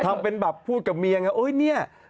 ทำเป็นแบบพูดกับเมียไงโอ๊ยเนี่ย